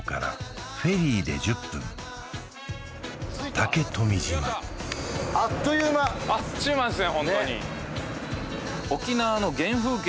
竹富島あっという間あっちゅう間ですね